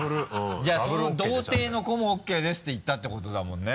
じゃあその童貞の子もＯＫですって言ったってことだもんね。